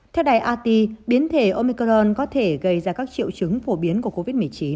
theo đài ati biến thể omicron có thể gây ra các triệu chứng phổ biến của covid một mươi chín